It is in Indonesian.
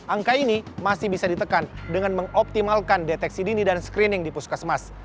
angka ini masih bisa ditekan dengan mengoptimalkan deteksi dini dan screening di puskesmas